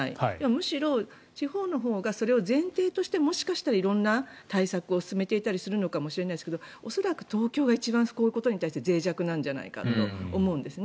むしろ、地方のほうがそれを前提としてもしかしたら色んな対策を進めていたりするかもしれないですが恐らく東京が一番こういうことに対してぜい弱なんじゃないかと思うんです。